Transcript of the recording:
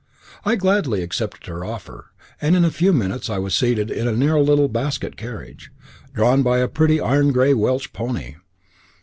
I gladly accepted her offer, and in a few minutes I was seated in a little low basket carriage, drawn by a pretty iron grey Welsh pony.